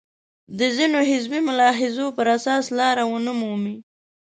د ځینو حزبي ملاحظو پر اساس لاره ونه مومي.